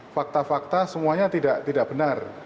fakta fakta semuanya tidak benar